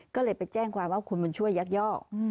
ก็เลยไปแจ้งความว่าคุณบุญช่วยยักยอก